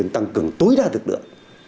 tăng cường tối đa lực lượng